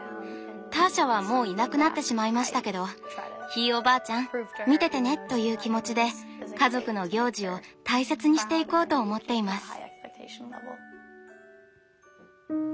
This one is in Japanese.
ターシャはもういなくなってしまいましたけど「ひいおばあちゃん見ててね」という気持ちで家族の行事を大切にしていこうと思っています。